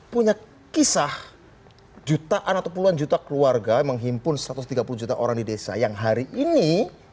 punya kisah jutaan atau puluhan juta keluarga menghimpun satu ratus tiga puluh juta orang di desa yang hari ini